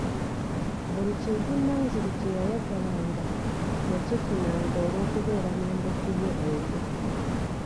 Buli kintu Nanziri kye yayagalanga yakifunanga olw'okubeera n'endeku ye eyo.